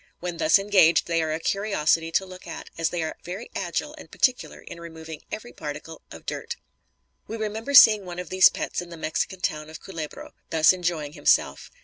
When thus engaged, they are a curiosity to look at, as they are very agile and particular in removing every particle of dirt. We remember seeing one of these pets in the Mexican town of Culebro thus enjoying himself.